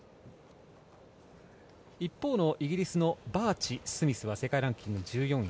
一方のイギリスのバーチ、スミスは世界ランキング１４位。